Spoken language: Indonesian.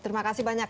terima kasih banyak